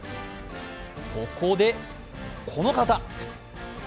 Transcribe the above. そこでこの方。